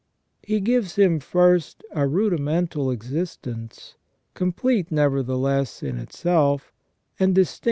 He gives him first a rudi mental existence, complete, nevertheless, in itself, and distinct * S.